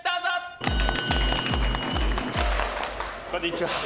こんにちは。